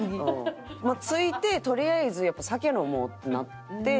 着いてとりあえずやっぱ「酒飲もう」ってなって。